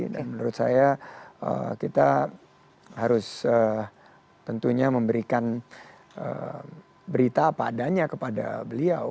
dan menurut saya kita harus tentunya memberikan berita apa adanya kepada beliau